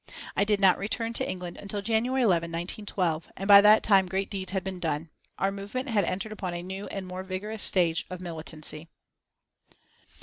I did not return to England until January 11, 1912, and by that time great deeds had been done. Our movement had entered upon a new and more vigorous stage of militancy.